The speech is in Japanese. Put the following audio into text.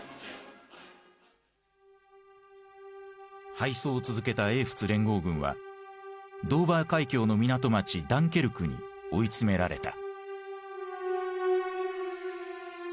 敗走を続けた英仏連合軍はドーバー海峡の港町ダンケルクに追い詰められた。